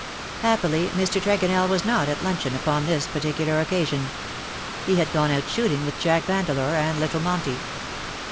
Happily, Mr. Tregonell was not at luncheon upon this particular occasion. He had gone out shooting with Jack Vandeleur and little Monty.